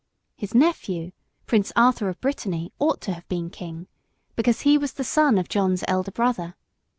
His nephew, Prince Arthur of Brittany, ought to have been King, because he was the son of John's elder brother.